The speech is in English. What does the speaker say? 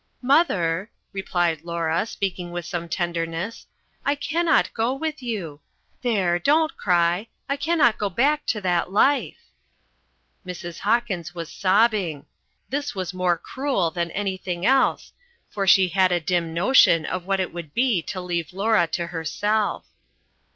"Mother," replied Laura, speaking with some tenderness, "I cannot go with you. There, don't cry, I cannot go back to that life." Mrs. Hawkins was sobbing. This was more cruel than anything else, for she had a dim notion of what it would be to leave Laura to herself.